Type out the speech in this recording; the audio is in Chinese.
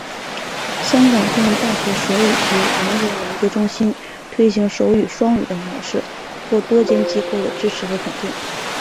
香港中文大学手语及聋人研究中心推行手语双语的模式获多间机构的支持和肯定。